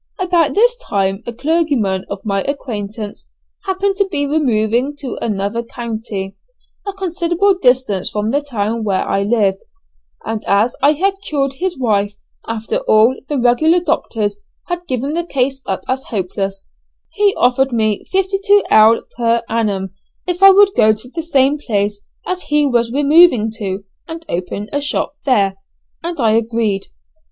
About this time a clergyman of my acquaintance happened to be removing to another county, a considerable distance from the town where I lived, and as I had cured his wife after all the regular doctors had given the case up as hopeless, he offered me 52_l._ per annum if I would go to the same place as he was removing to and open a shop there, and I agreed.